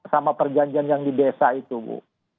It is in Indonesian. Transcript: sama perjanjian yang di desa itu bu